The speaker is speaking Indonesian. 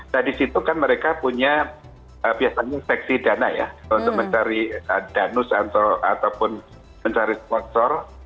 nah di situ kan mereka punya biasanya seksi dana ya untuk mencari danus ataupun mencari sponsor